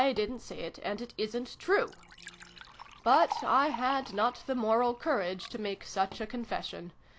didn't say it, and it isnt true!" But I had not the moral courage to make such a confession.